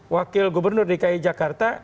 wakil gubernur dki jakarta